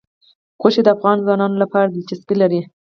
غوښې د افغان ځوانانو لپاره دلچسپي لري.